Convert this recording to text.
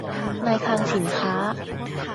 นายคลังสินค้า